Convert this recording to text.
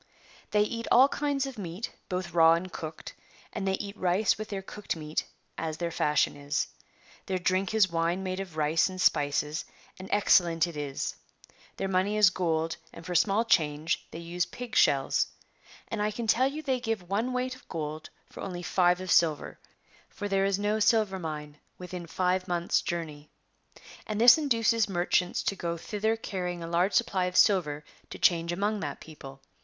They eat all kinds of meat, both raw and cooked, and they eat rice with their cooked meat as their fashion is. Their drink is wine made of rice and spices, and excellent it is. "^riieir money is gold, and for small change they use pig shells. And I can tell you they give one weight of gold for only rive of silver; tor there is no siKcr ininc Chap. L. THE PROVINCE OF ZARDANDAN. 53 within five months' journey. And this induces merchants to go thither carrying a large supply of silver to change among that people.